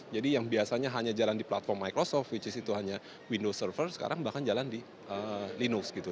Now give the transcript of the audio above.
jadi yang biasanya hanya jalan di platform microsoft which is itu hanya windows server sekarang bahkan jalan di linux gitu